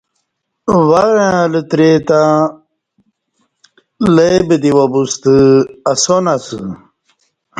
ورں لتری تں لے بدی وا بُستہ اسان اسہ